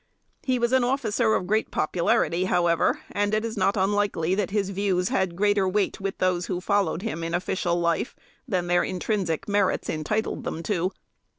He was an officer of great popularity, however, and it is not unlikely that his views had greater weight with those who followed him in official life, than their intrinsic merits entitled them to.